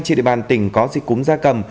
trên địa bàn tỉnh có dịch cúm gia cầm